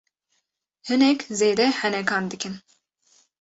Hinek zêde henekan dikin.